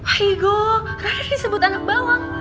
aigo rara disebut anak bawang